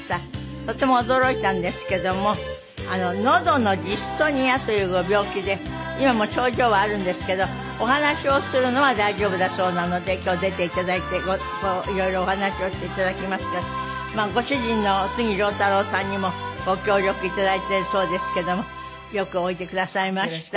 とても驚いたんですけどものどのジストニアというご病気で今も症状はあるんですけどお話をするのは大丈夫だそうなので今日は出ていただいていろいろお話をしていただきますがご主人の杉良太郎さんにもご協力いただいてるそうですけどもよくおいでくださいました。